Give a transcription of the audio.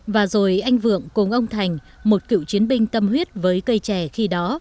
và rồi anh vượng cùng ông thành một cựu chiến binh tâm huyết với cây trẻ khi đó